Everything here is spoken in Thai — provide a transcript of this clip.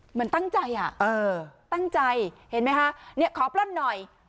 เหมือนตั้งใจอ่ะตั้งใจเห็นมั้ยฮะเนี่ยขอปลอดหน่อย